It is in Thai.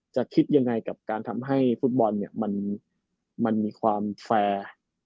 คิดยังไงกับการทำให้ฟุตบอลเนี่ยมันมีความแฟร์